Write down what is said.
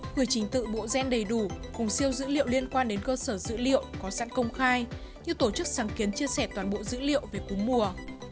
gửi chính tựu bộ gen đầy đủ cùng siêu dữ liệu liên quan đến cơ sở dữ liệu có sẵn công khai như tổ chức sáng kiến chia sẻ toàn bộ dữ liệu về cuối mùa